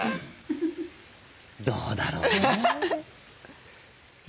どうだろうな？